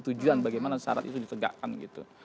tujuan bagaimana syarat itu ditegakkan gitu